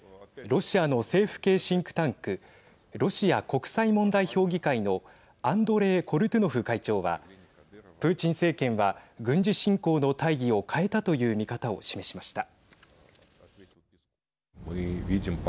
ロシア国際問題評議会のアンドレイ・コルトゥノフ会長はプーチン政権は、軍事侵攻の大義を変えたという見方を示しました。